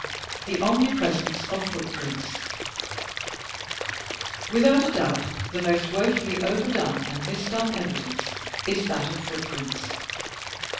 The Omnipresence of Footprints Without a doubt the most wofully overdone and mis done evidence is that of footprints.